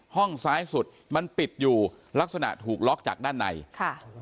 ห้องซ้ายสุดมันปิดอยู่ลักษณะถูกล็อกจากด้านในค่ะ